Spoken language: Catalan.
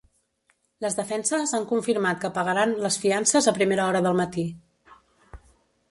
Les defenses han confirmat que pagaran les fiances a primera hora del matí.